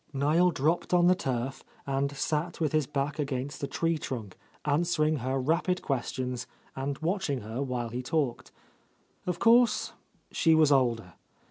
Niel dropped on the turf and sat with his back against a tree trunk, answering her rapid questions and watching her while he talked. Of A Lost Lady course, she was older.